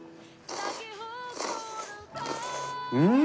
うん！